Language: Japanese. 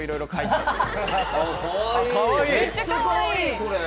あめっちゃかわいい！